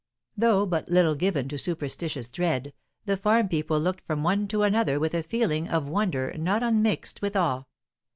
Though but little given to superstitious dread, the farm people looked from one to another with a feeling of wonder not unmixed with awe.